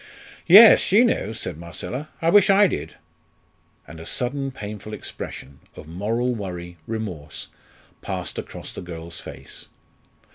"Yes, she knows," said Marcella. "I wish I did." And a sudden painful expression of moral worry, remorse passed across the girl's face.